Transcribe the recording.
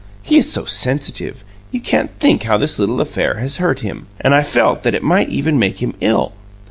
He is so sensitive, you can't think how this little affair has hurt him, and I felt that it might even make him ill.